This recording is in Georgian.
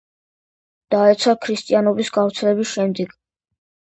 დაეცა ქრისტიანობის გავრცელების შემდეგ.